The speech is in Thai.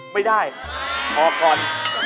ไม่ได้ออกก่อน